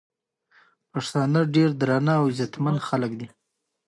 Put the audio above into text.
پښتانه ډير درانه او عزتمن خلک دي